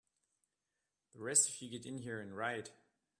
The rest of you get in here and riot!